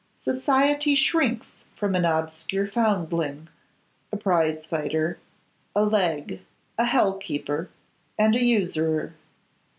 Society shrinks from an obscure foundling, a prizefighter, a leg, a hell keeper, and an usurer.